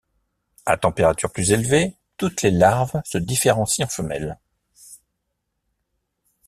À température plus élevée toutes les larves se différencient en femelles.